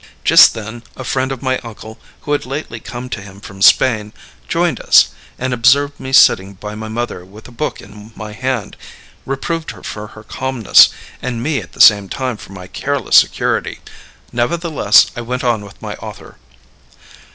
Just then a friend of my uncle, who had lately come to him from Spain, joined us, and, observing me sitting by my mother with a book in my hand, reproved her for her calmness and me at the same time for my careless security; nevertheless, I went on with my author.